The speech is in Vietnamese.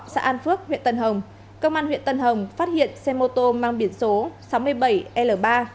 xã an phước huyện tân hồng công an huyện tân hồng phát hiện xe mô tô mang biển số sáu mươi bảy l ba hai nghìn hai trăm hai mươi bốn